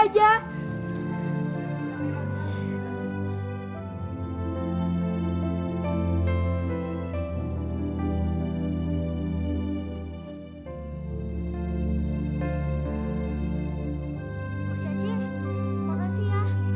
kru caci terima kasih ya